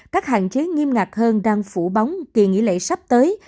các hạn chế nghiêm ngạc hơn đang phủ bóng kỳ nghỉ lệ sắp tới